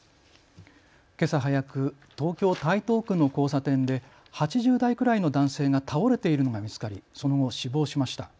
けさ早く東京台東区の交差点で８０代くらいの男性が倒れているのが見つかりその後、死亡しました。